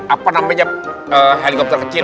apa namanya helikopter kecil